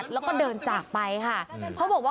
เติ้ลอย่างใจมึงใจกูเป็นข้าราคา